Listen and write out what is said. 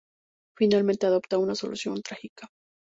Finalmente, adopta una solución trágica.